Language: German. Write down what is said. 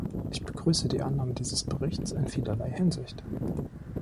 Ich begrüße die Annahme dieses Berichts in vielerlei Hinsicht.